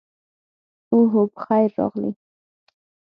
اوهو، پخیر راغلې.